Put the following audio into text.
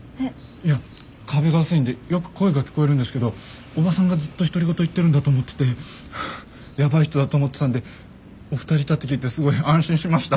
いや壁が薄いんでよく声が聞こえるんですけどおばさんがずっと独り言言ってるんだと思っててヤバい人だと思ってたんでお二人いたって聞いてすごい安心しました。